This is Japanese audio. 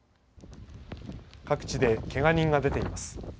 各地で、けが人が出ています。